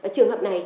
trường hợp này